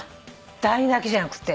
第２だけじゃなくて？